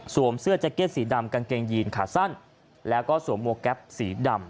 เสื้อแจ็คเก็ตสีดำกางเกงยีนขาสั้นแล้วก็สวมมวกแก๊ปสีดำ